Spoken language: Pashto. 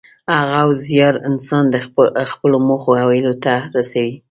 هڅه او زیار انسان خپلو موخو او هیلو ته رسوي.